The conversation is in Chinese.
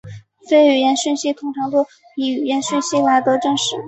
非语言讯息通常都比语言讯息来得真实。